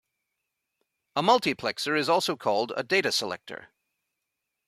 A multiplexer is also called a data selector.